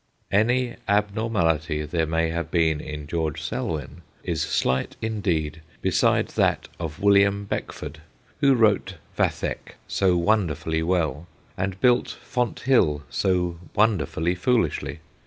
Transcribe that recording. Any abnormality there may have been in George Selwyn is slight indeed beside that of William Beckford, who wrote Vathek so wonderfully well, and built ' Fonthill ' so wonderfully foolishly.